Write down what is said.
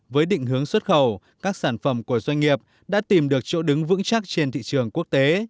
với định hướng xuất khẩu các sản phẩm của doanh nghiệp đã tìm được chỗ đứng vững chắc trên thị trường quốc tế